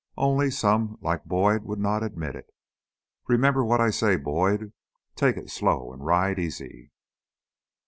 Only some, like Boyd, would not admit it. "Remember what I say, Boyd. Take it slow and ride easy!"